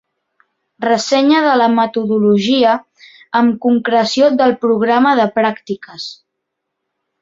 Ressenya de la metodologia amb concreció del Programa de pràctiques.